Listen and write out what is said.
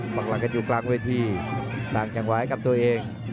ฝั่งหลังกันอยู่กลางเวทีสร้างจังหวายกับตัวเอง